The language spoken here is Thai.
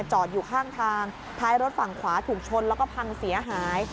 จอดอยู่ข้างทางท้ายรถฝั่งขวาถูกชนแล้วก็พังเสียหาย